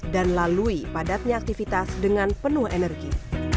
dan lalui padatnya aktivitas dengan penuh energi